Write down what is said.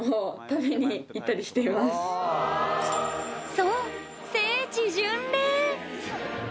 そう、聖地巡礼。